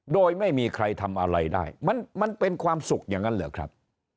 โดยไม่มีใครทำอะไรได้มันเป็นความสุขอย่างนั้นเหรอครับ